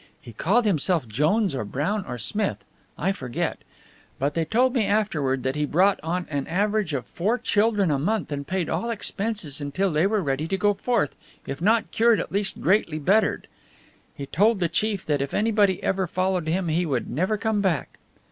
He called himself Jones or Brown or Smith I forget. But they told me afterward that he brought on an average of four children a month, and paid all expenses until they were ready to go forth, if not cured at least greatly bettered. He told the chief that if anybody ever followed him he would never come back.